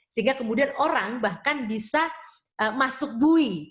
sehingga kemudian orang bahkan bisa masuk bui